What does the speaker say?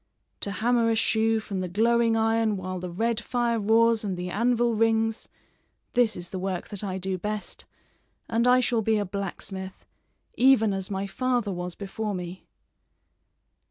To hammer a shoe from the glowing iron while the red fire roars and the anvil rings this is the work that I do best, and I shall be a blacksmith, even as my father was before me."